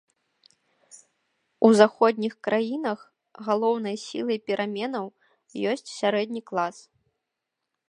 У заходніх краінах галоўнай сілай пераменаў ёсць сярэдні клас.